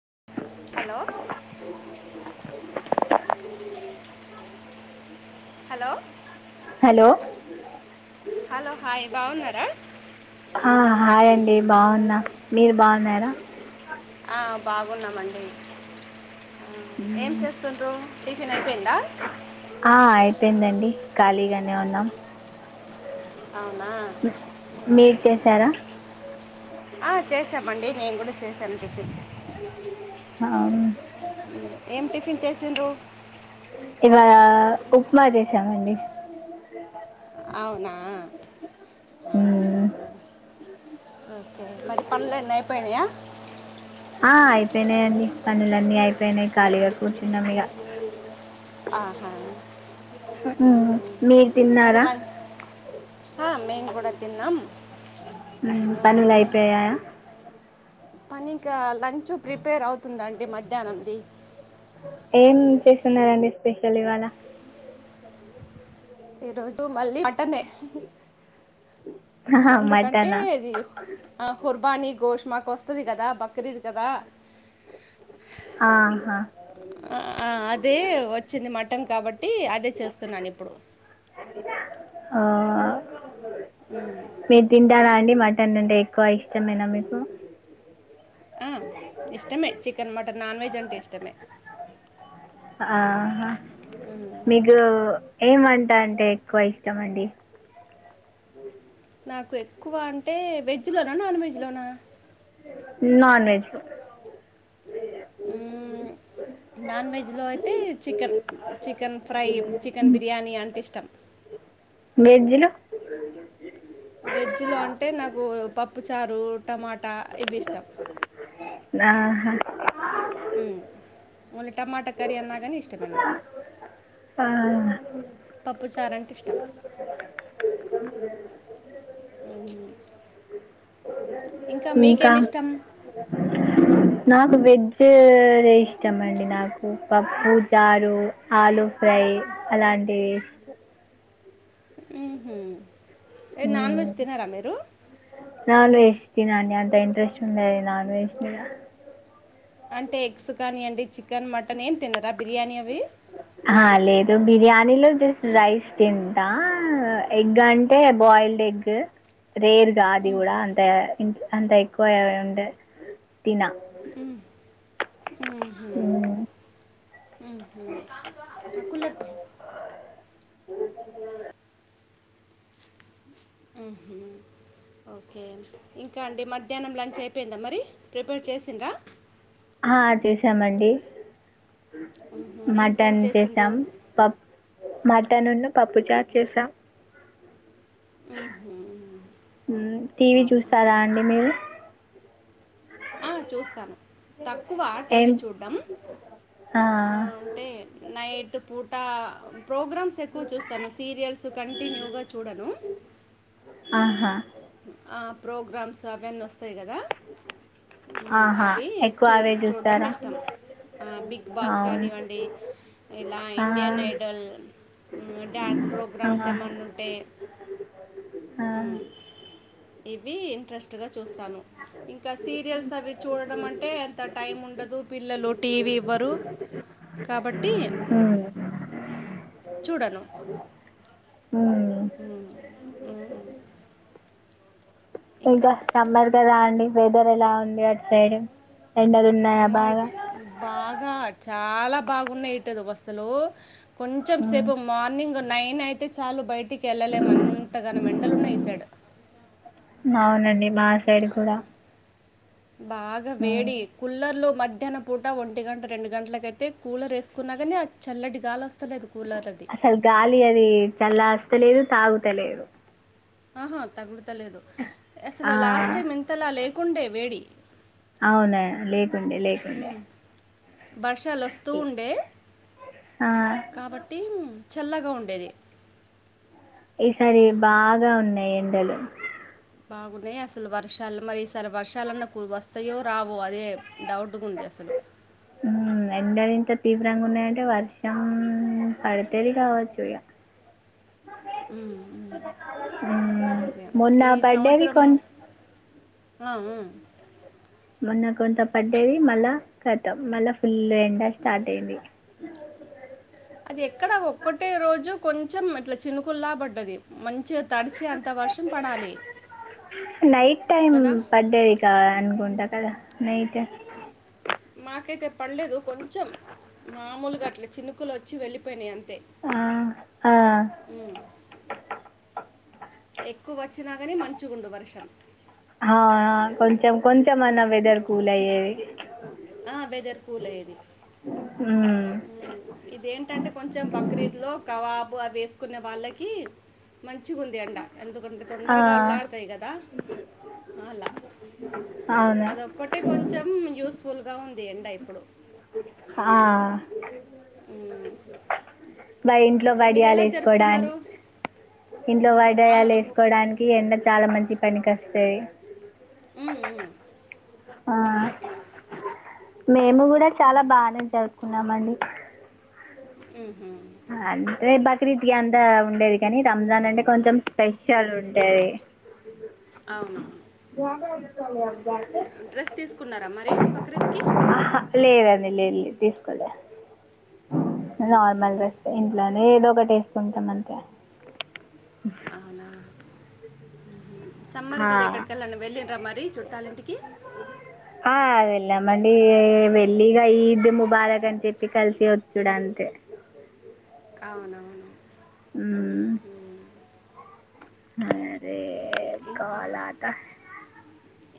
[inaudible] Hello hello hello hello hi బాగున్నారా హ హాయండి బావున్నా మీరు బావున్నారా ఆహ్ బాగున్నాం అండి ఏం మ్మ్. చేస్తుండ్రు టిఫిన్ అయిపోయిందా ఆ అయిపోయిందండి ఖాళీగానే ఉన్నాం అవునా మ్, మీరు చేశారా ఆహ్ చేసామండి నేను కూడా చేసాను టిఫిన్ అవును ఏం టిఫన్ చేసిండ్రు ఆహ్ ఉప్మా చేసాము అండి అవునా ఆహ్ మ్మ్. ఆ ఓకే మరి పనులన్నీ అయిపోయినయా ఆ అయిపోయినాయండి పనులన్నీ అయిపోయినాయి ఖాళీగా కూర్చున్నాం ఇగా ఆహా మ్మ్. హమ్ మీరు మరి తిన్నారా లంచ్ ఆహ్ మేము కూడా తిన్నాం మ్మ్. నేను పనులు అయిపోయాయా పని ఇంకా లంచ్ ప్రిపేర్ అవుతుందండి మధ్యాహ్నం ది ఏం చేస్తున్నారండి స్పెషల్ ఇవాళ ఈ రోజు మళ్ళీ మటనే ఆహా, హమ్ ఎందుకంటే మటనా ఇది ఆహ్ హుర్బానీ గోష్ మాకు వస్తది కదా బక్రీద్ కదా ఆహా ఆహ్ అదే వచ్చింది మటన్ కాబట్టి అదే చేస్తున్నాను ఇప్పుడు ఓహ్ హమ్ కదా అండి మటన్ అంటే ఎక్కువ ఇష్టమేనా మీకు ఆహ్ ఇష్టంమే చికెన్, మటన్ నాన్ వెజ్ అంటే ఇష్టమే ఆ హ ఉమ్. మీకు ఏమంటా అంటే ఎక్కువ ఇష్టం అండి నాకు ఎక్కువ అంటే వెజ్లోనా నాన్ వెజ్లోనా నాన్ వెజ్ లో మ్మ్. నాన్ వెజ్లో లో అయితే chicken chicken fry chicken biryani అంటే ఇష్ట త్తం వెజ్లో వెజ్లో అంటే నాకు పప్పుచారు టమాటా ఇవి ఇష్టం ఆహా ఓన్లీ టమాటా కర్రీ అన్నా కానీ ఇష్టమే నాకు ఆ, పప్పు చార్ అంటే ఇష్టం ఇంకా మీకేమి ఇష్టం నాకు వెజ్ రే ఇష్టం అండి నాకు పప్పు చారు ఆలు ఫ్రై అలాంటివి ఇష్టం. ఉహ్మ్మ్ ఏంది నాన్ మ్మ్. వెజ్ తినరా మీరు నాన్ వెజ్ తినండి అంత ఇంట్రెస్ట్ ఉంద నాన్ వెజ్ మీద అంటే ఎగ్స్ కానీయండి చికెన్ మటన్ ఏం తిన్నరా అహా లేేదు బిర్యాని పనిలో జస్ట్ రైస్ తింటా ఎగ్ అంటే బాయిల్డ్ ఎగ్ రేర్ అది మ్మ్. కూడా అంత అంత ఎక్కువ ఉండే తిన ఉహు కూలర్ పే హై ఓకే ఇంకా అండి మధ్యాహ్నం లంచ్ అయిపోయిందా మరి ప్రిపేర్ చేసిండ్రా ఆ చేసామండి మ్మ్హ. ఏం కర్రీ మటన్ చేసిండ్రు చేసాం పప్పు మటన్న్న పప్పు చారు చేసాం మ్మ్హ. టీవీ అవునా చూస్తారా అండి మీరు ఆ చూస్తాను తక్కువ ఏం టీవీ చూడడం ఆ! అంటే నైట్ ద పూట్ టా ప్రోగ్రామ్స్ ఎక్కువ చూస్తాను సీరియల్స్ కంటిన్యూగ చూడను ఆహా ఆ ప్రోగ్రామ్స్ అవన్నీ వస్తయి కదా ఆహా అవి ఎక్కువ చూ అవే చూడడం చూస్తారా ఇష్టం ఆ బిగ్ బాస్ అవును కానివ్వండి ఇలా ఆ! ఇండియన్ ఐడల్ డ్యాన్స్ ప్రోగ్రామ్స్ ఆ! ఏమనుంటె ఆ! ఇవీ ఇంట్రెస్ట్గా చూస్తాను ఇంకా సీరియల్స్ అవి చూడడం అంటే ఎంత టైం ఉండదు గు పిల్లలు టీ వీ ఇవ్వరు కాబట్ టీ హ్మ్. చూడను హ్మ్. ఊ ఊ ఇంకా అమ్మారు కదా అండి వెదర్ ఎలా ఉంది అట్ సైడ్ ఎండలు ఉన్నాయా బాగా ఇగా చాలా బాగున్నా ఇట్ది బస్సలు కొంచెం హ్మ్. సేపు మార్నింగ్ నైన్ అయితే చాలు బయటికి ఏళ్లలెం అంతగనం మెం [unintelligible] ఉన్నాయి ఈ సైడ్ అవునండి మా సైడ్ కూడా బాగా హ్మ్. వేడి కుల్లర్ లో మధ్ మధ్యాహ్నం పూట ఒంటి గంట రెండు గంటలకైతే కూలర్ వేసుకున్నాగాని ఆ చల్లటి గాలి వస్ అసలు గాలి అది చల లేదు తాగుతలేదు ఆహా తగు లేదు ఆ! అసలు లాస్ట్ టైం ఎంతలా లే కుండే వేడి అవునా లేకుండే లేకుండే ఉమ్, వర్షాలు వస్తూ ఈ ఉండే ఆ! కాబట్టి చల్లగా ఉండేది ఈసారి ఉమ్, బాగా ఉన్నాయండి టలు బాగున్నాయి అసలు వర్షాలు మరి ఈసారి వర్షాలన్న కూ వస్తాయో రావో అదే డౌట్ ఉంది అసలు మ్మ్ ఎండ ఇంత తీవ్రంగా ఉన్నాయంటే వర్షం పడతది కావచ్చు ఇగ ఉమ్, ఉమ్. మ్మ్ అదే మొన్న ఈ పడ్డవి సంవత్సరం కొన్ ఆ ఊ మొన్న కొంత పడ్డది మళ్ళా కతం మళ్ళా ఫుల్ ఎండ స్టార్ట్ అయింది అది ఎక్కడ ఒక్కటే రోజు కొన్ చం అట్లా చినుకుల్లా పడ్డది మం నైట్ టైమ్ కదా పడ్డదికా అనుకుంటా కదా నైటు మాకైతే పడలేదు కొంచెం మామూలుగా అట్ల చినుకులు వచ్చి వెళ్ళిపోయినాయి అం తే హ్మ్ ఎక్కువ వచ్చినాకని మంచుగుండు వర్షం ఆ కొంచెం కొంచెంమన్నా వెదర్ కూల్ అయ్యేది ఆ వెదర్ కూల్ అయ్యేది ఉమ్, ఇదేంటంటే కొంచెం బక్రీద్ లో కవాబ్ వేసుకున్న వాళ్ళకి మంచి మంచిగుంధి ఎండ ఎందుకంటే ఆ, తొందరగా అల్లాడుతాయి కదా అలా అవును అదొక్కటే కొంచెం యూస్ ఫుల్గా ఉంది ఎండ ఇప్పుడు ఆ ఉమ్ బ ఇంట్లో వడియాలు వేసుకోవడాన్ ఇంట్లో ఆ, వడియాలు అవును వేసుకోవడానికి ఎండ చాలా మంచి పనికొస్తాయి ఊ ఊ అంతే మేము కూడా చాలా బానే జరుపుకున్నామ అండి ఉహూ అంటే బక్రీద్ కి అంతా ఉండది కాని రంజాన్ అంటే కొంచెం స్పెషల్ ఉంటది అవునవును డ్రెస్ తీసుకున్నారా మరి బక్రీద్ కి లేదండి లేద్ లేదు తీసుకోలే ఆహ నే ఏదో ఒకటి వేసుకుంటాం అంతే అవునా మ్మ్హ్మ్. సమ్మర్ కదా ఎక్కడికెళ్ళను వెల్లిండ్రా మరి చుట్టాలఇంటికి మ్మండి వెళ్లి ఇగ ఈద్ ము బారక్ అని చెప్పి కలిసి వచ్చుడు అంతే అవునవును హ్మ అదే రే ఇంకా కాల్ ఆత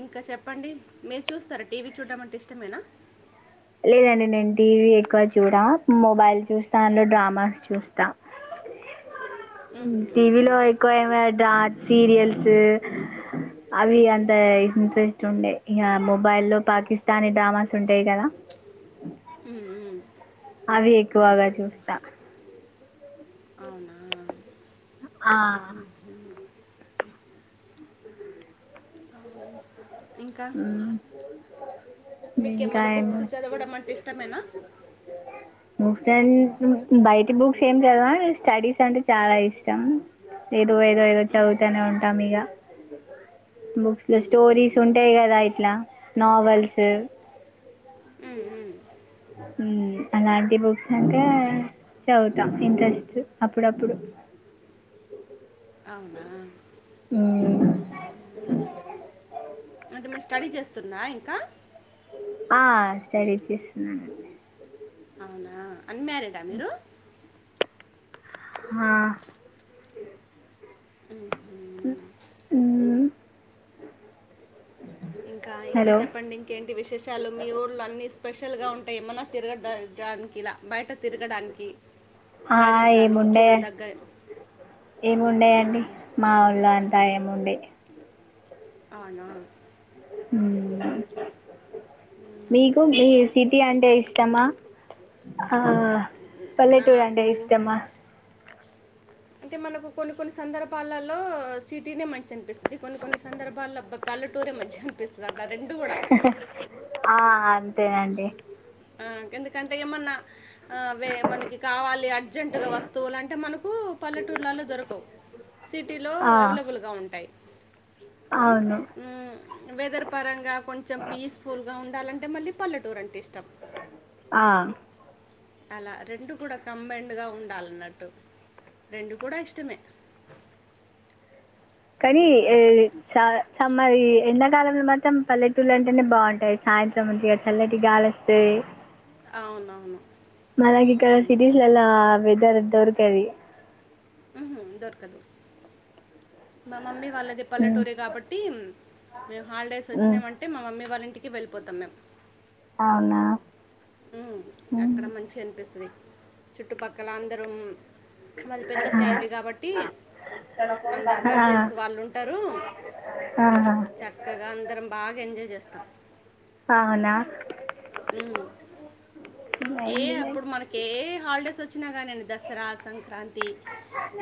ఇంకా చెప్పండి మీరు చూస్తారా టీవీ చూడడం అంటే ఇష్టమేనా లేదండి నేను టీవీ ఎక్కువ చూడ మొబైల్ చూస్తా అందులో డ్రామాస్ చూస్తా మ్ టీవీలో మ్మ్హ్మ్. ఎక్కువ ఏమ డ్ర సీరియల్స్ అవి మ్మ్, అంత ఇంట్రెస్ట్ ఉండే ఇగ మొబైల్లో పాకిస్తానీ డ్రామాస్ ఉంటయి కదా ఉమ్ ఉమ్ అవి ఎక్కువగా చూస్తా అవునా ఆ, ఉంహు ఇంకా మ్, ఇంకా మీకేమైన్నా బుక్స్ ఏమి చదవడం అంటే ఇష్టమేనా అ బయటి బుక్స్ ఏం చదవాలి స్టడీస్ అంటే చాలా ఇష్టం ఎ ఏదో ఏదో ఉమ్, చదువుతూనే ఉంటాం ఇగ బుక్స్ లో స్టోరీస్ ఉంటాయి గదా ఇట్లా నావెల్స్ ఉమ్ ఉమ్ ఉమ్ అలాంటి బుక్స్ అంట చదువుతాం ఇంట్రెస్ట్ అప్పుడప్పుడు అవునా అంటే మేము స్టడీ చేస్తున్నా ఇంకా ఆ స్టడీస్ చేస్తున్నా అవునా అన్మ్యారీడా మీరు హా ఉమ్ ఉ ఉమ్ ఇంకా ఇంకా చెప్పండి ఇంకేంటి విశేషాలు మీ ఊళ్లో అన్ని స్పెషల్గా ఉంటే ఏమన్నా తిరగ జడానికి ఇలా బయట తిరగడానికి ఆ ప్రదేశాలు ఏముండే చూడదగ్గ ఉమ్, ఏముండేయండి మాముళ అని దాయము ఉండయి అవునా ఉమ్ ఉహుం. మీకు మీ సిటీ అంటే ఇష్టమా ఆ పల్లెటూరి అంటే నాకు ఇష్టమా అంటే మనకు కొన్ని కొన్ని సందర్భాలలో సిటీనే మంచి అనిపిస్తుంది కొన్ని కొన్ని సందర్భాలల్లో అ బ్బా పల్లెటూరే మంచి అనిపిస్తుంది అట్లా రెండు కూడా హా హా ఆ అంతేనండి ఆ గేమ్దుకంటే ఏమన్నా ఆవే మనకి కావాలి అర్జెంటుగా వస్తువులుంటే మనకు పల్లెటూర్లలో దొరకవు సిటీలో ఆ, అవైలబుల్గా ఉంటాయి ఉమ్ అవును వెదర్ పరంగా కొంచెం పీస్ఫుల్గా ఉండాలంటే మళ్ళీ పల్లటూర్ అంటే ఇష్టం ఆ అలా రెండు కూడా కంబైండ్గా ఉండాలన్నట్టు రెండు కూడా ఇష్టమే కానీ ఉమ్, అలా. చ చమ్మా ఎండ కాలంలో మాత్రం పల్లెటూళ్లు అంటేనే బాగుంటాయి సాయంత్రంచిగా చల్లెటి గాలి వస్తే అవునవును మన ఇక్కడ అవును సిటీస్లల వెదర్ దొరకది ఉహుమ్ దొరకదు మా మమ్మీ వాళ్ళది మ్మ్. పల్లెటూరే కాబట్టి మేము హాలడేస్ మ్మ్. వచ్చినవంటే మా మమ్మీ వాళ్ళింటి ఇంటికి వెళ్ళిపోతాం మేము అవునా ఉమ్ మ్మ్. అక్కడ మంచి అనిపిస్తది చుట్టుపక్కల అందరం అది పెద్ద ఆ. ఫ్యామిలీ కాబట్టి అందరు ఆ. కజిన్స్ వాళ్ళు ఉంటారు ఆ. చక్కగా అందరం బాగా ఎంజాయ్ చేస్తాం అవునా ఉమ్ ఏ నైన్ అప్పుడు మినిట్స్ మనకి ఏ హాలిడేస్ వచ్చ కానీండి దసరా సంక్రాంతి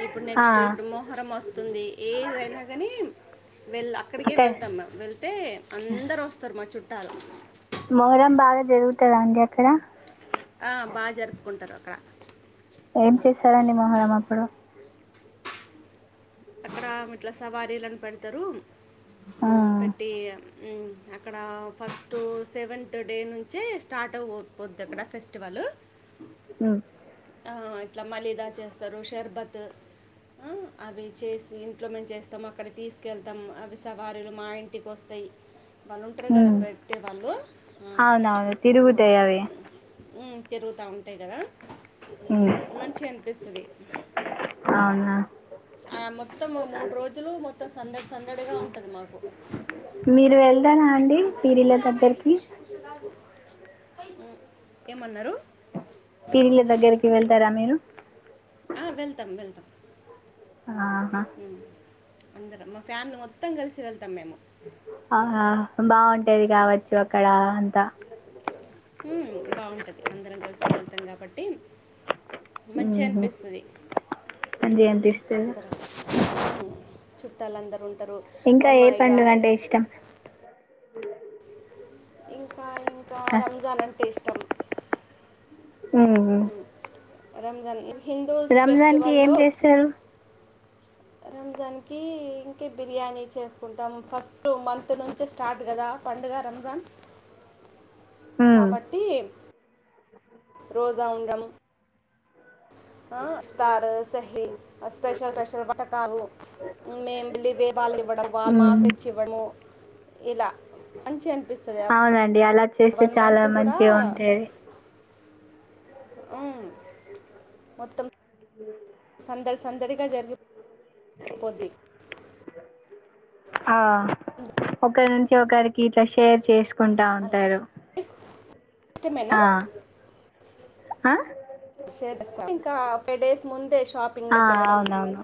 ఇప్పుడు నెక్స్ట్ ఇప్పుడు మొహరం వస్తుంది ఏదైనా కానీ వెళ్ అక్కడికే అక్కడ వెళ్తాం వెళ్తే అందరూ వస్తారు మా చుట్ట ఉంటారు మొహర్రం బాగా జరుగుతద అండి అక్కడ ఆ బాగా జరుపుకుంట అదొక ఏం చేస్తారండి మొహరం అప్పుడు అక్కడా మెట్ల సవారీలని పెడతరూ ఉమ్ మ్మ్. పెట్టి అక్కడ ఫస్ట్ సెవెంత్ డే నుంచే స్టార్ట్ అయిపోతుంది పొద్దు అక్కడ ఫెస్టివలు మ్మ్. ఆ ఇట్లా మళ్ళీదా చేస్తరు షర్బత్ అ అవి చేసి ఇంట్లో మేము చేస్తాము అక్కడ తీసుకెళ్తం అవి సవారీలు మా ఇంటికి వస్తాయి వాళ్ళు ఉంటరు కదా మ్మ్. పెట్టే వాళ్ళు అవునవును ఉమ్ తిరుగుతాయి అవి ఉమ్ తిరుగుతా ఉంటాయి కదా మ్మ్. ఉమే మంచిగా అనిపిస్తది అవునా ఆ మొత్తం మూడు రోజులు మొత్త మొత్తం సందడి సందడిగా ఉంటది మాకు వెళ్తరా అండి పీరిల దగ్గరికి ఉ ఏమన్నారు పిరీల దగ్గరికి వెళ్తారా మీరు ఆ వెళ్తామ్ వెళ్తామ్ ఆహా అందరం మా ఫ్యామిలీ మొత్తం కలిసి వెళ్తాం మేము ఆ హ బాగుంటది కావచ్చు అక్కడ ద హుం బాగుంటది అందరం కలిసి వెళ్తాం కాబట్టి మంచిగ ఉహు అనిపిస్తది మంచిగా అనిపిస్తది అంతర చుట్టాలందరు ఉ తరు ఇంకా ఏ ఒమ్మాయిగా పండుగ అంటే ఇష్టం ఇంకా ఎ ఇంకా రంజాన్ అంటె ఇస్ట్ త్తమ్ ఉ ఉ రంజాన్ ఇల్ రంజాన్ కి ఎం చేస్తరు రంజాన్ కి ఇంకే బిర్యానీ చేసుకుంటాం ఫస్ట్ మంత్ నుంచే స్టార్ట్ కద పండుగ రంజాన్ ఉ కాబట్టి రోజా ఉండామ్ ఆ స్థారు సహీ స్పెషల్ స్పెషల్ వటకాలు మేములివే వాళ్ళు ఇవ్వడం వాళ్ళు మాకు ఉమ్ తెచ్చి ఇవ్వడము ఇల మంచి అనిపిస్తది అ ఎలా చేస్తే చాలా మంచిగ ఉంటది అ మొత్తం మిలాగా సందడి సందడిగా జరిగి పోది ఆ ఒకరి నుంచి ఒకరికి ఇట్లా షేర్ చెసు కుంటా అలా ఉంటారు మీకు ఇష్టమేనా ఆ ఆ షెడస్క ఇంకా ఫై డేస్ ముందేష్ ఆ షాపింగ్లకి వెళ్ళడం అవునవును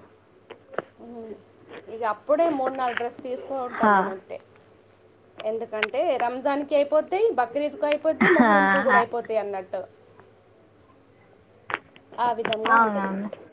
ఉ ఇగ అప్పుడే మూడు నాలుగు డ్రెస్ తీసుకొ ఉంటాం హా మేము అంతె ఎందుకంటే రంజాన్ కి అయిపోద్ ది బక్రీద్ కు అయిపోద్ది హా, మొహరం కు కూడా అయిపోతయి అన్నట్టు ఆ విధంగా ఉంటది అవునవును